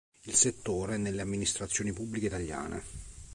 Il settore, nelle amministrazioni pubbliche italiane.